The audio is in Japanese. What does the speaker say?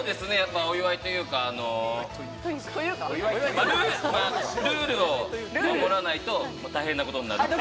お祝いというか、ルールを守らないと大変なことになる。